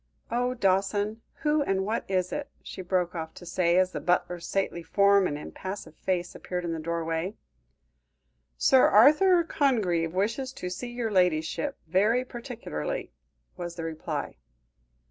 Oh! Dawson, who and what is it?" she broke off to say, as the butler's stately form and impassive face appeared in the doorway. "Sir Arthur Congreve wishes to see your ladyship very particularly," was the reply.